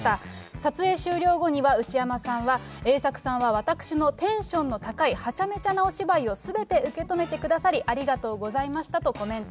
撮影終了後には内山さんは、栄作さんは私のテンションの高いはちゃめちゃなお芝居をすべて受け止めてくださりありがとうございましたとコメント。